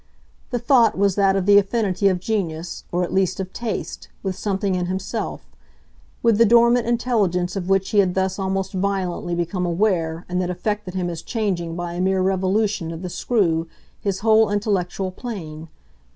The thought was that of the affinity of Genius, or at least of Taste, with something in himself with the dormant intelligence of which he had thus almost violently become aware and that affected him as changing by a mere revolution of the screw his whole intellectual plane.